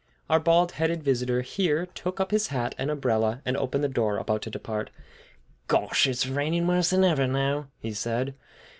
Our bald headed visitor here took up his hat and umbrella and opened the door, about to depart. "Gosh, it's raining worse than ever now!" he said.